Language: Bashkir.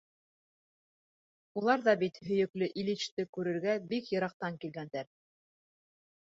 Улар ҙа бит һөйөклө Ильичте күрергә бик йыраҡтан килгәндәр.